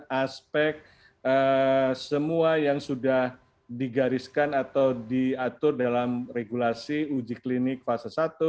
dengan aspek semua yang sudah digariskan atau diatur dalam regulasi uji klinik fase satu